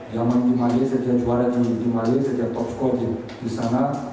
yang menjual juara di malaysia dia top scorer di sana